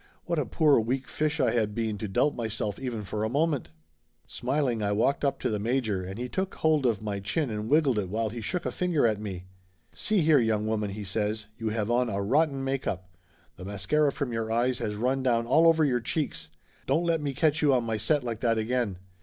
What a poor weak fish I had been to doubt myself even for a moment ! Smiling I walked up to the major and he took hold of my chin and wiggled it while he shook a finger at me. "See here, young woman !" he says. "You have on a rotten make up. The mascara from your eyes has run down all over your cheeks. Don't let me catch you on my set like that again.